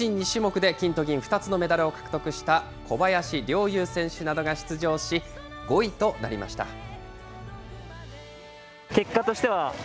２種目で金と銀、２つのメダルを獲得した小林陵侑選手などが出場し、５位となりました。